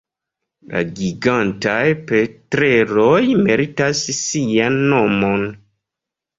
La Gigantaj petreloj meritas sian nomon.